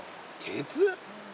鉄？